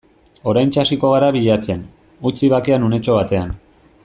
Oraintxe hasiko gara bilatzen, utzi bakean unetxo batean.